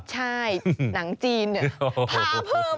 ใช่หนังจีนเนี่ย